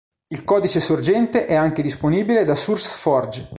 Il codice sorgente è anche disponibile da Sourceforge.